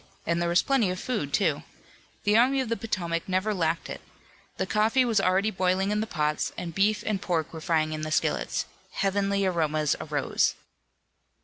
And there was plenty of food, too. The Army of the Potomac never lacked it. The coffee was already boiling in the pots, and beef and pork were frying in the skillets. Heavenly aromas arose.